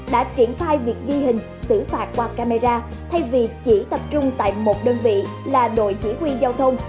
đã triển khai việc ghi hình xử phạt qua camera thay vì chỉ tập trung tại một đơn vị là đội chỉ huy giao thông